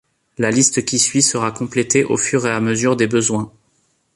La liste qui suit sera complétée au fur et à mesure des besoins.